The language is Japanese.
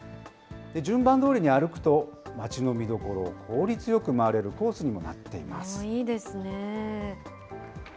順番どおりに歩くと、町の見どころを効率よく回れるコースにもないいですね。